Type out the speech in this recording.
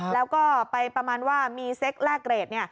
แล้วก็ไปประมาณว่ามีเซ็กแลกเกรด